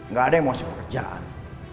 gak ada yang mau siap pekerjaan